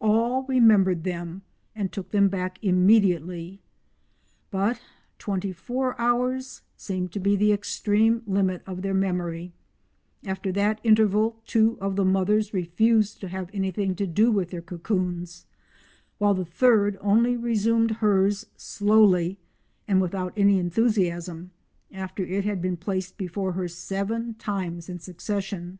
All remembered them and took them back immediately. But twenty four hours seemed to be the extreme limit of their memory; after that interval two of the mothers refused to have anything to do with their cocoons, while the third only resumed hers, slowly and without any enthusiasm, after it had been placed before her seven times in succession.